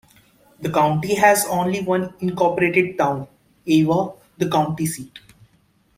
The county has only one incorporated town: Ava, the county seat.